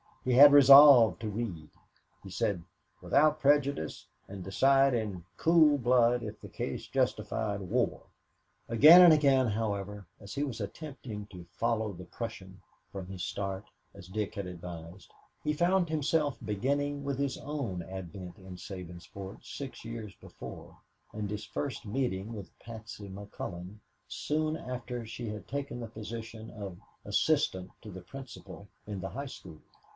He had resolved to read, he said, "without prejudice, and decide in cool blood if the case justified war!" Again and again, however, as he was attempting to follow the Prussian from his start, as Dick had advised, he found himself beginning with his own advent in Sabinsport six years before and his first meeting with Patsy McCullon soon after she had taken the position of "Assistant to the Principal" in the high school.